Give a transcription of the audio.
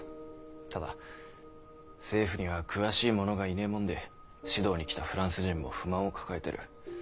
ただ政府には詳しいものがいねぇもんで指導に来たフランス人も不満を抱えている。